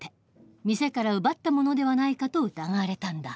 店から奪ったものではないかと疑われたんだ。